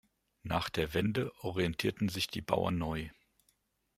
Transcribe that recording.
Nach der Wende orientierten sich die Bauern neu.